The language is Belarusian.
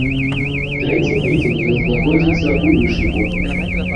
Трэці тыдзень ён знаходзіцца ў вышуку.